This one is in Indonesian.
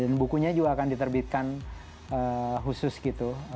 dan bukunya juga akan diterbitkan khusus gitu